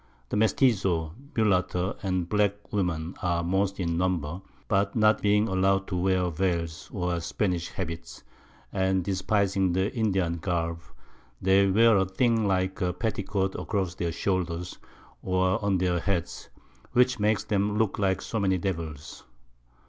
The Mestizzo, Mullatto, and black Women, are most in Number, but not being allow'd to wear Veils, or the Spanish Habit, and despising the Indian Garb, they wear a thing like a Petticoat a cross their Shoulders, or on their Heads, which makes 'em look like so many Devils.